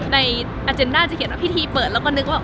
ในอาเจนด้าจะเห็นว่าพี่ทีเปิดแล้วก็นึกว่า